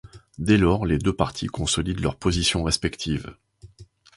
Dès lors, les deux parties consolident leurs positions respectives.